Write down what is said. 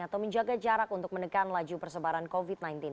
atau menjaga jarak untuk menekan laju persebaran covid sembilan belas